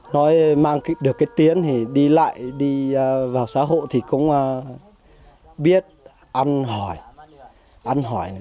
nói mang được cái tiếng thì đi lại đi vào xã hội thì cũng biết ăn hỏi